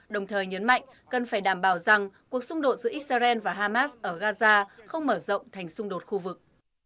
đồng thời nhấn mạnh cần phải đảm bảo rằng cuộc xung đột giữa israel và hamas ở gaza không mở rộng thành xung đột khu vực